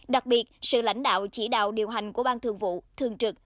đặc biệt sự lãnh đạo chỉ đạo điều hành của ban thường vụ thường trực